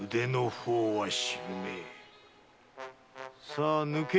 さあ抜け！